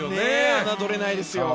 侮れないですよ。